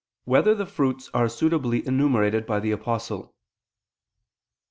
3] Whether the Fruits Are Suitably Enumerated by the Apostle?